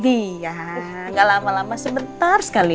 iya gak lama lama sebentar sekali